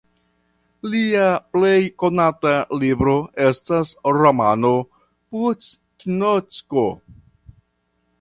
Lia plej konata libro estas romano "Putkinotko".